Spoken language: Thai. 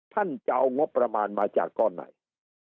ท่านจะเอางบประมาณมาจากก้อนไหน